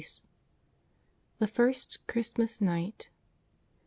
THE FIEST CHRISTMAS NIGHT.